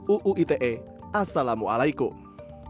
uu ite assalamualaikum